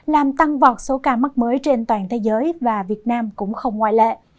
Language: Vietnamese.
làm tăng vọt số ca mắc mới trên toàn thế giới và việt nam cũng không ngoại lệ